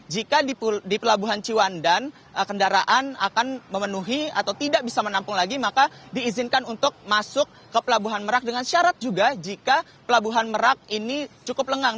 jika di pelabuhan ciwandan kendaraan akan memenuhi atau tidak bisa menampung lagi maka diizinkan untuk masuk ke pelabuhan merak dengan syarat juga jika pelabuhan merak ini cukup lengang